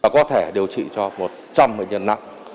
có thể điều trị cho một trăm linh bệnh nhân nặng